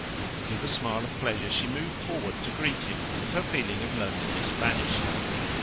With a smile of pleasure she moved forward to greet him, and her feeling of loneliness vanished.